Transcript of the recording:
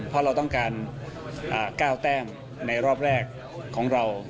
เพราะเราต้องการ๙แต้มในรอบแรกของเรา